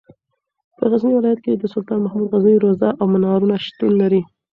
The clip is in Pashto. په غزني ولایت کې د سلطان محمود غزنوي روضه او منارونه شتون لري.